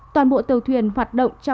toàn bộ tàu thuyền hoạt động trong vùng tây